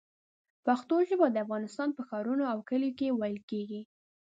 پښتو ژبه د افغانستان په ښارونو او کلیو کې ویل کېږي.